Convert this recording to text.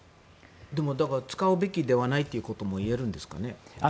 でも使うべきではないということも言えるんですかね。